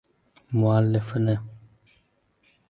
Muallifini